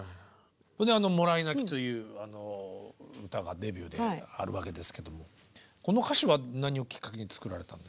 それであの「もらい泣き」という歌がデビューであるわけですけどこの歌詞は何をきっかけに作られたんですか？